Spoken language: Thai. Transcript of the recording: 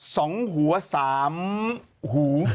สองหัวสามหู